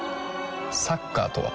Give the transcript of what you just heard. サッカーとは？